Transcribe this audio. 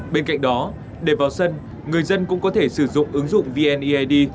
bên cạnh đó để vào sân người dân cũng có thể sử dụng ứng dụng vneid